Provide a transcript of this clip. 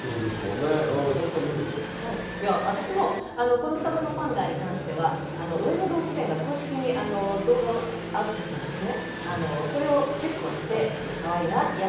私もこの双子のパンダに関しては上野動物園が公式に動画をアップするんですね。